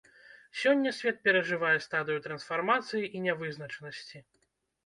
Сёння свет перажывае стадыю трансфармацыі і нявызначанасці.